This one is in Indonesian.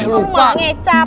lu malah ngecap